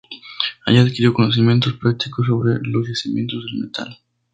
Allí adquirió conocimientos prácticos sobre los yacimientos del metal.